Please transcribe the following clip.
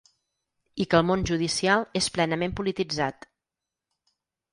I que el món judicial és plenament polititzat.